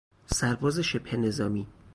سرباز شبه نظامی